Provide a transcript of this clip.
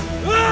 aku mau ke sana